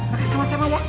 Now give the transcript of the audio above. makan sama sama ya